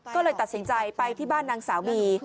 ก็เลยตัดสินใจไปที่บ้านนางสาวบี